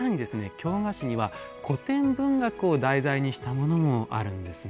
京菓子には古典文学を題材にしたものもあるんですね。